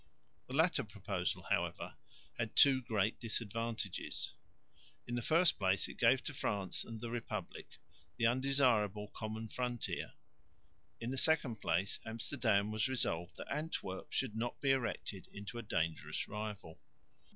The latter proposal, however, had two great disadvantages: in the first place it gave to France and the Republic the undesirable common frontier; in the second place Amsterdam was resolved that Antwerp should not be erected into a dangerous rival.